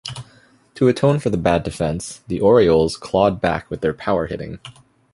To atone for the bad defense, the Orioles clawed back with their power hitting.